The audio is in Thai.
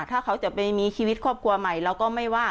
ถ้าเขาจะไปมีชีวิตครอบครัวใหม่เราก็ไม่ว่า